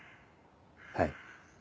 はい。